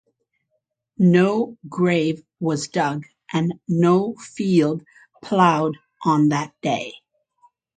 No grave was dug and no field ploughed on that day.